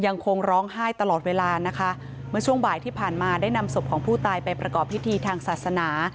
ยังคงร้องไห้ตลอดเวลานะคะเมื่อช่วงบ่ายที่ผ่านมาได้นำศพของผู้ตายไปประกอบพิธีทางศาสนา